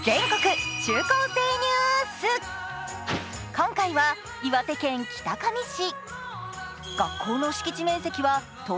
今回は岩手県北上市。